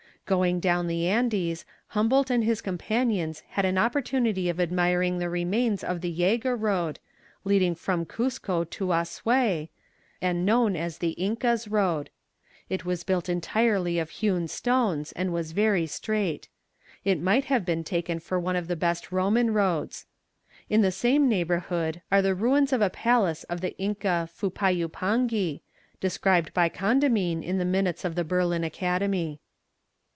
Going down the Andes, Humboldt and his companions had an opportunity of admiring the remains of the Yega road, leading from Cusco to Assuay, and known as the Inca's road. It was built entirely of hewn stones, and was very straight. It might have been taken for one of the best Roman roads. In the same neighbourhood are the ruins of a palace of the Inca Fupayupangi, described by Condamine in the minutes of the Berlin Academy.